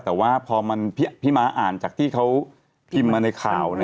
แต่ว่าพอพี่ม้าอ่านจากที่เขาพิมพ์มาในข่าว